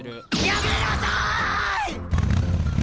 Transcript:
やめなさい！